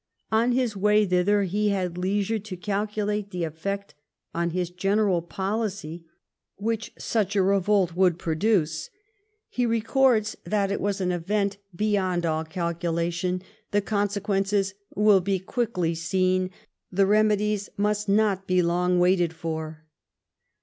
On his way thither he had leisure to calculate the effect on his general policy which such a revolt would produce. He records that it was an event, *' beyond all calculation ; loi LIFE OF PBINCE METTEBNIGE. the consequences will be quickly seen, the remedies must not be long waited for."